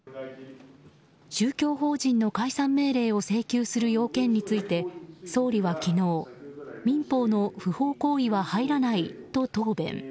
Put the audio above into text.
宗教法人の解散命令を請求する要件について総理は昨日民法の不法行為は入らないと答弁。